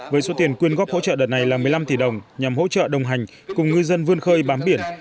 với số tiền quyên góp hỗ trợ đợt này là một mươi năm tỷ đồng nhằm hỗ trợ đồng hành cùng ngư dân vươn khơi bám biển